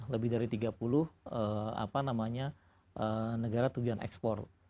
lebih dari tiga puluh apa namanya negara tugian ekspor